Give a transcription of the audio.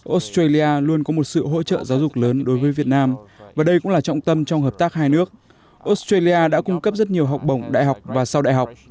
australia luôn có một sự hỗ trợ giáo dục lớn đối với việt nam và đây cũng là trọng tâm trong hợp tác hai nước australia đã cung cấp rất nhiều học bổng đại học và sau đại học